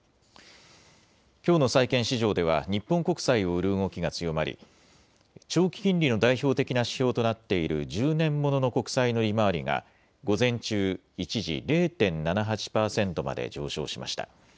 きょうの債券市場では日本国債を売る動きが強まり、長期金利の代表的な指標となっている１０年ものの国債の利回りが午前中、一時、０．７８％まで上昇しました。